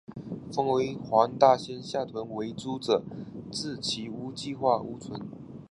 分为黄大仙下邨为租者置其屋计划屋邨。